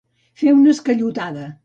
Fer una esquellotada.